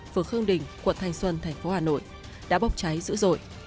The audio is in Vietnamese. phường khương đình quận thanh xuân thành phố hà nội đã bốc cháy dữ dội